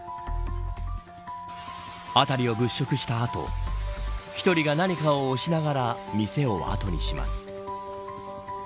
辺りを物色した後１人が何かを押しながら店を後にします。